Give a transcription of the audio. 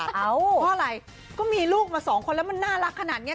เพราะอะไรก็มีลูกมาสองคนแล้วมันน่ารักขนาดนี้